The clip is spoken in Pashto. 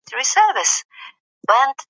پښتو يوه لرغونې آريايي ژبه ده.